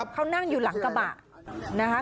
เขานั่งอยู่หลังกระบะนะคะ